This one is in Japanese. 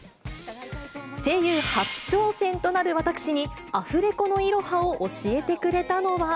声優初挑戦となる私に、アフレコのイロハを教えてくれたのは。